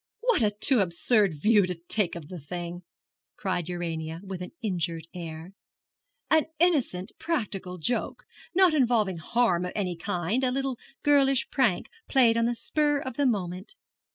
'What a too absurd view to take of the thing!' cried Urania, with an injured air. 'An innocent practical joke, not involving harm of any kind; a little girlish prank played on the spur of the moment.